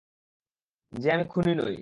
যে আমি খুনি নই।